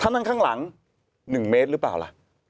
ถ้านั่งข้างหลัง๑เมตรหรือเปล่าล่ะ